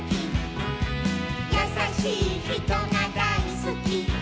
「やさしいひとがだいすき」